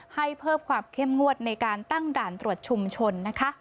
ให้เพิ่มความเข้มงวดในการตั้งด่านตรวจชุมชนนะคะ